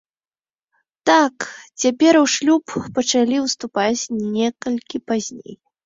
Так, цяпер у шлюб пачалі ўступаць некалькі пазней.